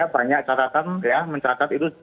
banyak catatan mencatat itu